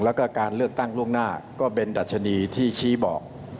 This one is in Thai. แล้วก็การเลือกตั้งล่วงหน้าก็เป็นดัชนีที่ชี้บอก